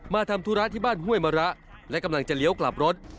ทำธุระที่บ้านห้วยมะระและกำลังจะเลี้ยวกลับรถ